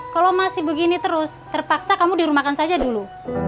kalau masih begini terus terpaksa kamu dirumahkan saja dulu